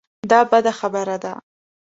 دا بده خبره ده.